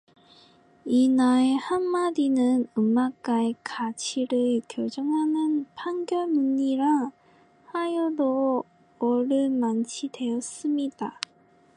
이 나의 한 마디는 음악가의 가치를 결정하는 판결문이라 하여도 옳을 만치 되었습니다.